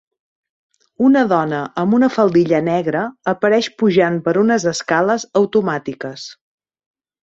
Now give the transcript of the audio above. Una dona amb una faldilla negra apareix pujant per unes escales automàtiques.